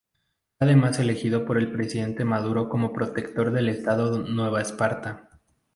Fue además elegido por el presidente Maduro como Protector del estado Nueva Esparta.